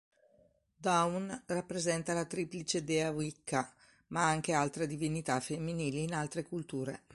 Dawn rappresenta la triplice Dea Wicca ma anche altre divinità femminili in altre culture.